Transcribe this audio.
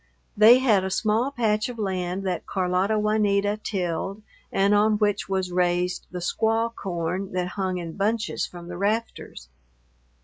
They had a small patch of land that Carlota Juanita tilled and on which was raised the squaw corn that hung in bunches from the rafters.